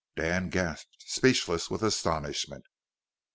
Dan gasped, speechless with astonishment.